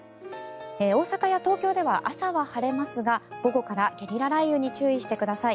大阪や東京では朝は晴れますが午後からゲリラ雷雨に注意してください。